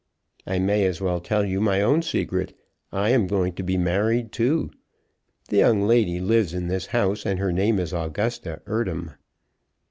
I may as well tell you my own secret. I am going to be married, too. The young lady lives in this house, and her name is Augusta Eardham.